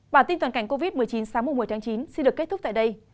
bản tin toàn cảnh covid một mươi chín sáng một mươi tháng chín xin được kết thúc tại đây